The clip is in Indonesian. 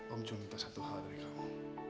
om jo minta satu hal dari kamu